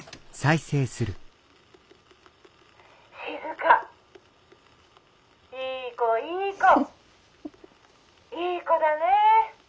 「静いい子いい子いい子だね！